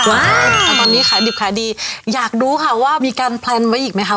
ตอนนี้ขายดิบขายดีอยากรู้ค่ะว่ามีการแพลนไว้อีกไหมคะ